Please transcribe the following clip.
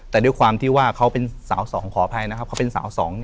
แต่ด้วยความที่ว่าเขาเป็นสาวสองขออภัยนะครับเขาเป็นสาวสอง